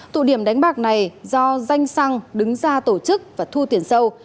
tụ điểm đánh bạc này do danh xăng đứng ra tổ chức và thu tiền sâu